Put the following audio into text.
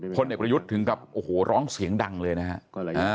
พลเอกประยุทธ์ถึงกับโอ้โหร้องเสียงดังเลยนะครับ